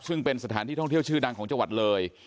ซึ่งเป็นสถานที่ท่องเที่ยวชื่อดังของจังหวัดเลย